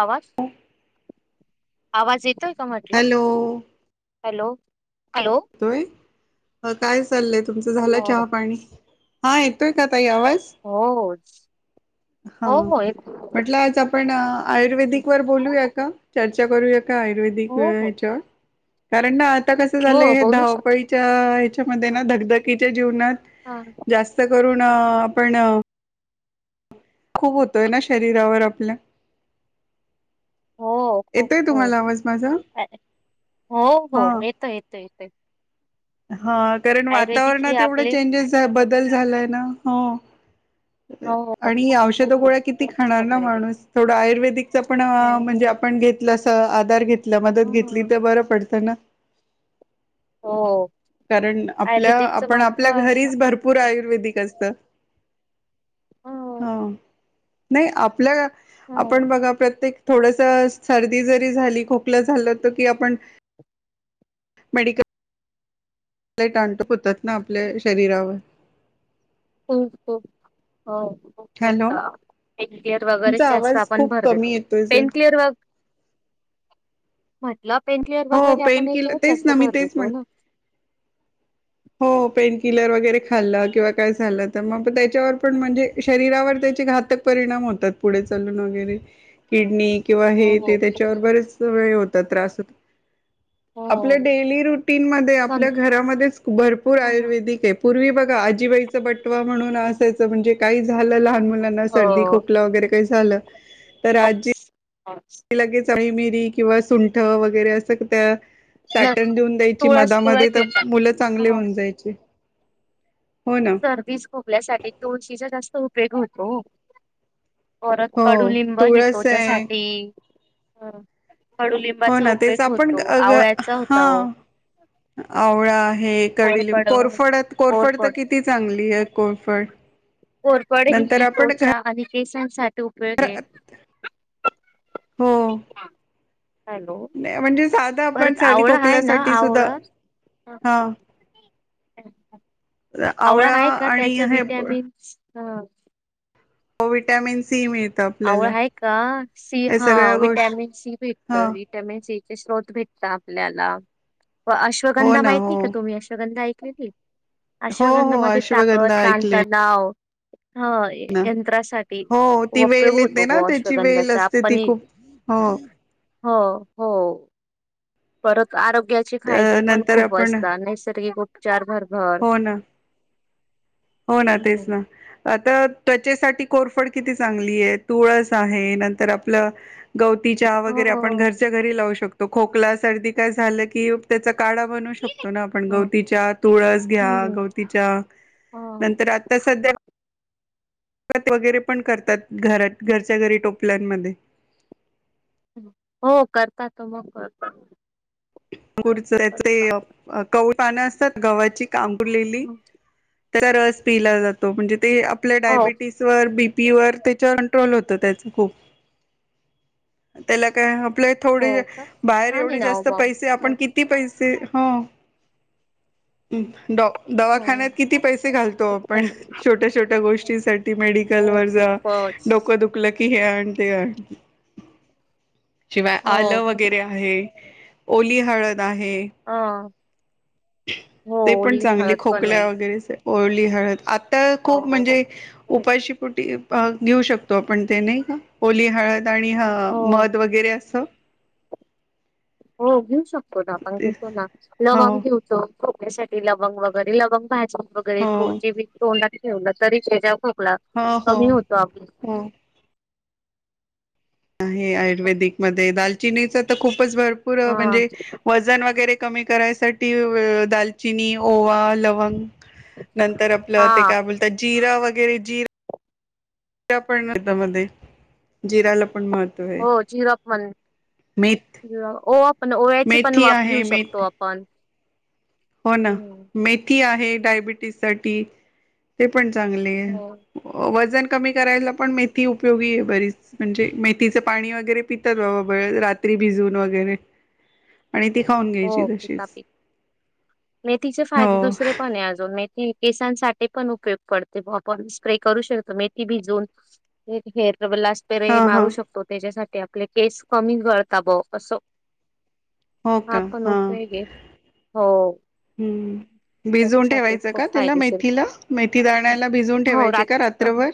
आवाज आवाज येतोय. का म्हटलं हॅलो. हॅलो. हॅलो येतोय काय चाललंय तुमच झालं हो चहा हो. पाणी हा येतोय का? [unintelligible] येतोय काय आवाज हो हो हा हो हो येतोय. म्हटलं आज आपण आयुर्वेदिक, वर बोलूया का चर्चा करूया. काआयुर्वेदिक अ हो हो च्या कारण ना, आता कस झालंय हो हे बोलू शकता. धावपळीच्या ह्याच्यामध्ये ना धकधकीच्या जीवनात हा हा, जास्त करून हा. आपण खूप होतोय ना, शरीरावर आपल्या हो खूप येतोय तुम्हाला खूप आवाज माझा हो हो हा येतोय येतोय. ते. हा कारण वातावरणात एवढं आपले चेंजेस हो बदल झालाय ना, हो. हो. आणि खूप औषध खूप गोळ्या किती खाणार ना झालंय. माणूस थोडा आयुर्वेदिकचा अ पण म्हणजे हो आपण घेतलं स तआधार घेतला मदत घेतली हम्म. तर बरं पडतं ना, हो. कारण आपल्या आयुर्वेदिकचं आपण महत्त्व आपल्या असं घरीच भरपूर आयुर्वेदिक असतं. [inaudible] हो हा नाही आपल्या हो आपण बघा प्रत्येक खूप थोडसस सर्दी जरी झाली खोकलं झालं होत की आपण मेडिकल आपले टणतो पु होतात ना, आपल्या शरीरावर होक हो होत हॅलो एक क्लीअर वगैरे तुमचा जास्त आवाज आपण खूप भर कमी देतो येतोय सर पेन क्लीअर व मतलब पेण क्लीअर हो वगैरे पेन आपण किलर याच्यावरच तेच जास्त ना मी भर तेच देतो म्हणते ना, हो पेन किलर वगैरे खाल्लं किंवा काय झालं तर मग त्याच्यावर पण म्हणजे शरीरावर ते घातक परिणाम होतात. पुढे चालून वगैरे अच्छा किडनी किंवा हे हो ते त्याच्यावर बरेच हे होतात त्रास होत. आपल्या हो डेली रुटीन मधे सन आपल्या घरामध्येच भरपूर हो. आयुर्वेदिक हेत. पूर्वी बघा आजीबाईचा बटवा म्हणून असायचं. म्हणजे काही झालं लहान मुलांना सर्दी, खोकला, वगैरे काही झालं. हो [unintelligible] लगे चचाळी मिरी किंवा सुंठ वगैरे असं त्या चाटण देऊन द्यायची तुळस मधामध्ये तुळस तर घेतात. मुलं चांगली हो होऊन जायचे हो ना सर्दीच खोकल्यासाठी तुळशीचा जास्त उपयोग होतो परत हो कडुलिंब तुळस आहे घेतोच्यासाठी हो ना तेच आपण आवळ्याचा हा होता ओ आवळा आहे कढली कोरफड कोरफडत कोरफड तर किती चांगली आहे कोरफड कोरपड नंतर ह आपण घ त्वचा आणि केसांसाठी उपयोग आहे हो हॅलो नाही म्हणजे साधा आपण परत साडी आवळा आहे ना खोकल्यासाठी सुद्धा आवळा हा आवळा आहे का आणि त्याच हे विटॅमिन ह हो वि्हटॅमिन सी मिळते आवड आहे का सी हा सगळ्या गोष्ट विटॅमिन सी भटत हा विटॅमिन सी स््रोत भेटत आपल्याला व हो अश्वगंधा ना हो माहिती का तुम्ही अश्वगंधा ऐकलेली हो अश्वगंधा हो मध्ये ताकद अश्वगंधा ऐकले तनचा डाव ह ना यंत्रासाठी हो ती व उपयोग वेल येते होतो ना ग त्याची वेल अश्वगंधाचा असते ती पनीर खूप हो हो हो परत आर चे अ फायदे पण नंतर खूप आपण असतात नैसर्गिक उपचार भर हो ना हो ना तेच ना तर त्वचेसाठी कोरफड किती चांगली आहे तुळस आहे नंतर आपलं गवती चहा वगैरे आपण घरच्या घरी लावू शकतो खोकला सर्दी काय झालं की त्याचा काढा बनू शकतो ना आपण हो. गवतीच्या तुळस घ्या हम्म गवतीच्या नंतर आता सध्या त वगैरे पण करतात घरात घरच्या घरी टोपल्यांमध्ये हो करता तो मग रत अर त्या कौळ पानं असतात गव्हाची कांगूर ललेली त्याचा रस पिला जातो म्हणजे ते आपल्या हो डायबिटीसवर बी पीर त्याच्या कंट्रोल होत त्याच खूप त्याला काय आपले थोडे हो का बाहेर छान आहे एवढे ना ओ जास्त मग. पैसे आपण किती पैसे हो हो दवाखान्यात किती खूप पैसे घालतो आपण पैसे छोट्या छोट्या गोष्टी मडल हो खूपच. वोकु क ते शिवाय हो आलं वगैरे आहे ओली हळदजे अ हो ते पण ओली चांगली हळद पण आहे खोकल्या वगैरे ओळली हळद आत्ता हो खूप हो. म्हणजे उपाशीपुटी घेऊ शकतो आपण त्याने ओली हळद आणि ह हो. मध वगैरे अस हो घेऊ शकतो ना आपण ते घेतो ना हो लवंग घेऊचो खोक्यासाठी लवंग वगैरे लवंग भाजून वगैरे हो जे तोंडात ठेवलं तरीज आपला हो हो कमी होतो आप हो आहे आयुर्वेदिक मध्ये दालचिनीच तर खूपच भरपूर हा म्हणजे वजन वगैरे कमी करायसाठी दालचिनी ओवा लवंग यू नंतर आपलं हा ते काय बोलतात जिरा वगैरे जिरा प म जिराला पण महत्त्व आहे. हो झिरोप म्हण मेथ पण ओळ्याची पण मेथी वाप घेऊ आहे शकतो मेथी आपण हो ना हम्म मेथी आहे डायबिटीस साठी ते पण चांगले हो वजन कमी करायला पण मेथी उपयोगी आहे बरीच म्हणजे मेथीच पाणी वगैरे पितात बाबा रात्री बिजून वगैरे [unintelligible] आणि ती खाऊन घ्यायची तशीच नाही तिचे फाये हो दुसरेण अजून मी केसांसाठी पण उपयोग पडते आपण स्प्रे करू शकतो मेथी भिजूनर लाट पेरे हां, मारू हां. शकतो त्याच्यासाठी आपले केस कमी गळता ब असं हो का, [unintelligible] हम्म, भिजून त्याच्यासाठी ठेवायचं खूप का त्याला फायदेशीर मेथीला मेथी दण्याला भिजून हो ठेवायचे रात का रात्रभर.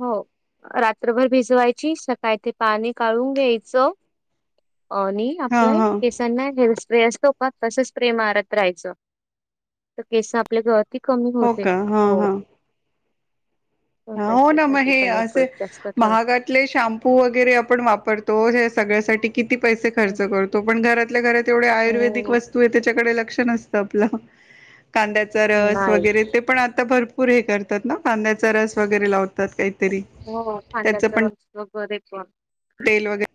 हो रात्रभर भिजवायच स का ते पाणी काढून घ्यायचं अ आणि हां, आपला हां. केसांना हेअर स्प्रे असतो तसच प्रे मारत राहायचं तर केस आपल्या घ कमी होते, का? हां, हो. हां. तर हो ना मग त्याच्यासाठी हे पण असे उपयोग जास्त ठरतो महागातले शॅम्पू वगैरे आपण वापरतो सगळ्यासाठी किती पैसे खर्च करतो पण घरातल्या घरात एवढे आयुर्वेदिक हो वस्तू आहे त्याच्याकडे लक्ष नसत पलं कांद्याचा रस नाही वगैरे ते पण आता भरपूर हे करतात ना कांद्याचा रस वगैरे लावत हो खांद्याच्या रस वगैरे पण तेल वगैरे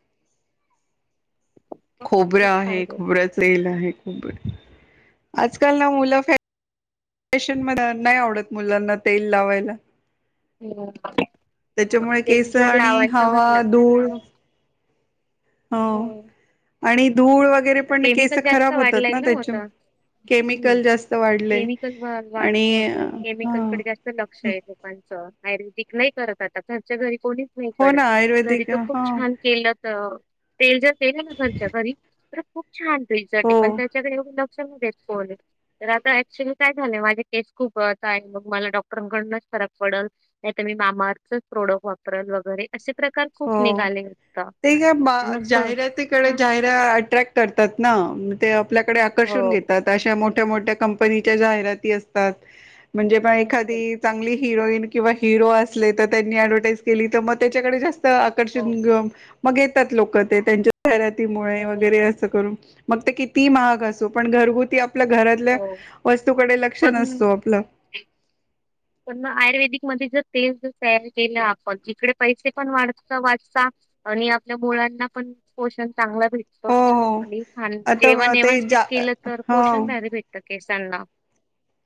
खोबरं खूप आहे फायदे खोबर्याचल आहे खू आजकाल ना मुलं फॅ स्टेशन म नाही आवडत मुलांना तेल लावायला. ह् त्याच्यामुळे ते केस जर आणि लावायचं हवा म्हटलं धूळ हो आणि. धूळ वगैरे पण केमिकल केस जास्त खराब होतात वाढलाय ना त्याच्या होता हम्म केमिकल जास्त वाढले केमिकल आणि वाचय ह केमिकल कडे जास्त लक्ष आहे. लोकांचं, आयुर्वेदिक नाही करत आता घरच्या घरी कोणीच नाही हो ना करत घरी आयुर्वेदिक तर खूप हा छान केलं तर तेल ज ते आहे ना खर्च छान रिझट आहे हो पण त्याच्याकडे देत तर आता ऍक्च्युली काय झालंय माझे केस खूप आहे मग मला डॉक्टरांकडून फरक पडल मी माम प्रोडक्ट वापरल वगैरे असे प्रकार हो खूप निघाले आता ते का मग जाहिरातीकडे अ, जाहिर अट्रॅक् करतात ना ते आपल्याकडे हो आकर्षून हो घेतात अशा मोठ्या मोठ्या-मोठ्या कंपनी च्या जाहिराती असतात म्हणजे बघा एखादा त म्हणजे एखादी हिरोईन किंवा हिरो असली तर त्यांनी ऍडव्हटाईज केली तर मग त्याच्याकडे जास्त हो आकर्षणे मग येतात लोक ते त्यांच्या जाहिरातीमुळे हो वगैरे असं करून मग की ती महाग असू पण घरगुती आपल्या घरातल्या हो. वस्तूकडे लक्ष पण नसतो आपलं पण आयुर्वेदिक मध्ये जर तेल सेल केलं आपण जिकडे पैसे पण वाढ वाचता आणि आपल्या मुळांना पण पोषण चांगला भेटतो हो हो आणि खान आता जेवण ते व्यवस्थित जा केलं तर पोषण हो भर भेटतात. कि सांना,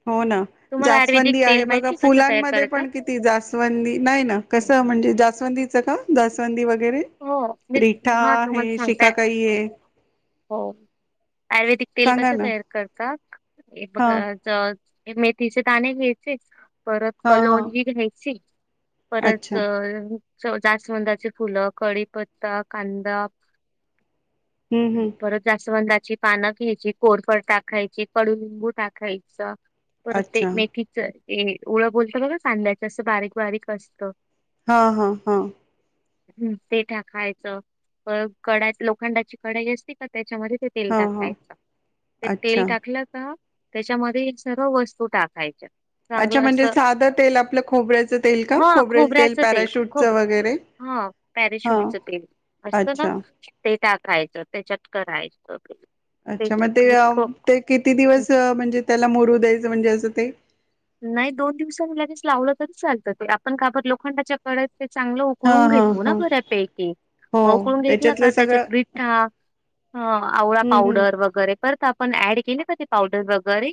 हो ना जास्वंदी आहे तेल बघा माहिती कसं तयार फुलांमध्ये करतात? पण किती जास्वंदी नाही ना कसं हो म्हणजे जास्वंदीचं का जास्वंदी वगैर वगैरे मी रिठा हा तुम्हाला आहे सांगताय शिकाकाई आहे हो आयुर्वेदिक तेल कस सांगा ना तयार करतात बघ हा ज मेथीचे दाणे घ्यायचे परत हा हा कलोंजी घ्यायची अच्छा परच जास्वंदाचे फुल कडीपत्ता कांदा हम्म हम्म परत जास्त मण पानं घ्यायची, कोरफड, टाकायची कडुलिंबू, टाकायच पर ते अच्छा मेथीच ळ बोलत बघ सांध्याचं असं बारीक बारीक असत. हा हा हा ह ते टाकायचं प कडा लोखंडाची कडाई असते का त्या त्याच्यामध्ये ते तेल हा हा टाकायचं ते तेल अच्छा टाकलं का त्याच्यामध्ये सर्व वस्तू टाकायची. अच्छा म्हणजे साधं तेल आपलं खोबऱ्याचं तेल का हा खोबरेल तेल खोबऱ्याचं पॅराशूटच खोब वगैरे हा हा पॅरेशूटच तेल असतं ना अच्छा ते टाकायचं त्याच्यात करायचं अच्छा मग ते ते किती दिवस म्हणजे त्याला मोरू द्यायचं म्हणजे असं ते नाही दोन दिवस लगेच लावलं तरी चालतं ते आपण काबत लोखंडाच्या कळ चांगलं हा उकळून हा घेतो ना हा परत एक एक हो मग उकळून घेतल का त्याच्यातलं सगळं रिठा, ह आवळा हम्म हम्म पावडर वगैरे परत आपण ऍड केले का ते पावडर वगैरे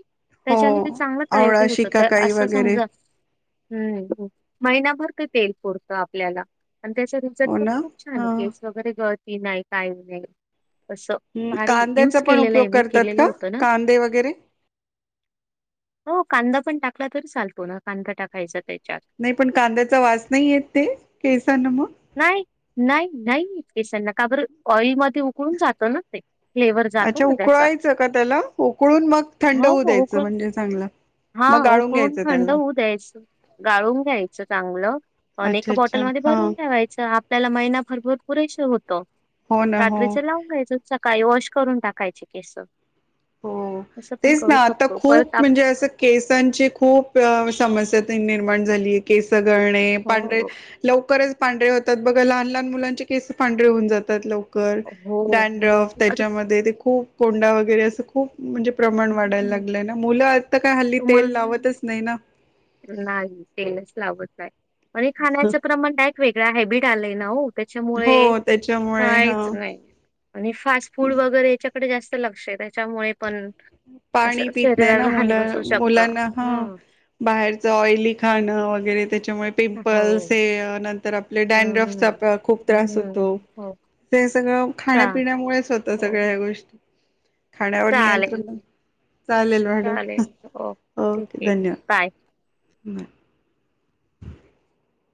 हो त्याच्याने ते चांगलं आवळा तया होत तर शिकाकाई असं वगैरे समजा हम् महिनाभर काय तेल पुरतं आपल्याला आणि त्याचा रिझल्ट हो पण ना खूप छान आहे हा केस वगैरे गळती नाही काय नाही. तं हम्म, भारी युज कांद्याचा पण केलेलं आहे उपयोग मी करतात केलेलं का होतं ना कांदे वगैरे हो कांदा पण टाकला तरी चालतो ना कांदा टाकायचा नाही पण कांद्याचा वास नाही येत ते केसांना मग? नाही नाही नाहीकेशन न का बर ऑइलमध्ये उकळून जातं ना ते. फ्लेवर जातो अच्छा ना त्याचा. उकळायच का त्याला उकळून मग थंड होऊ द्यायचं म्हणजे चांगलं हा मग गाळून उकळून घ्यायचं थंड त्याला होऊ द्यायचं गाळून घ्यायचं चांगलं प अच्छा एका अच्छा बॉटलमध्ये हा भरून ठेवायच आपल्याला महिना भरभूर पुरेसे होत हो ना हो रात्रीच लावून घ्यायचं सकाळी वॉश करून टाकायचे केस हो असं पण तेच करू ना आता शकतो. परत खूप आप म्हणजे असं केसांची खूप समस्या निर्माण झाली केसगणे पांढरे हो, लवकरच पांढरे होतात बघा लहान लहान मुलांचे केस पांढर होऊन जातात लोक हो डॅड्रफ मग आता त्याच्यामध्ये ते खूप कोंडा वगैरे अस म्हणजे प्रमाण वाढायला हं, लागलंय ना मुलं आता काय हल्ली तुम्हाला तेल लावतच नाही ना नाही तेलच लावत नाहीय आणि खाण्याच क्रमण वेगळा हॅबिट आलाय ना हो हो त्याच्यामुळे त्याच्यामुळे काहीच हा नाही आणि फास्ट फूड वगैरेच्या जास्त लक्ष आहे त्याच्यामुळे पण पाणी असं पित नाही ना शरीराला हानी मुला बसू शकतं. मुलांना हा हं. बाहे--र ऑइली खाणं वगैरे त्याच्यामुळे पिंपल्स हो. आहे नंतर आप हं, हं. डॅनड्रफचा खूप त्रास होतो. हं, हो. ते सगळं चा खाण्यापिण्यामुळेच होतं सगळ्या हो. ह्या गोष्टी खाण्यावर नियंत्रण चालेल, चालेल मॅड चालेल. ठीक ओके आहे. धन्यवाद बाय. ब